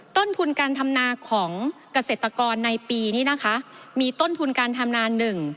ต้นทุนการทำนาของเกษตรกรในปีนี้นะคะมีต้นทุนการทำนาหนึ่ง